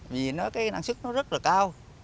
vì năng sức nó rất là cao